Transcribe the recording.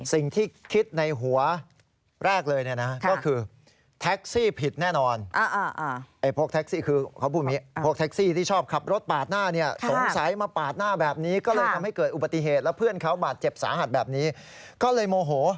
สิ่งที่คิดในหัวแรกเลยเนี่ยนะก็คือแท็กซี่ผิดแน่นอนไอ้พวกแท็กซี่คือเขาพูดอย่างนี้พวกแท็กซี่ที่ชอบขับรถปาดหน้าเนี่ยสงสัยมาปาดหน้าแบบนี้ก็เลยทำให้เกิดอุบัติเหตุแล้วเพื่อนเขาบาดเจ็บสาหัสแบบนี้ก็เลยโมโห